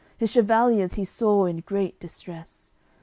His chevaliers he saw in great distress.